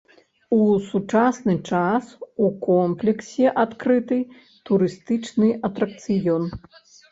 У сучасны час у комплексе адкрыты турыстычны атракцыён.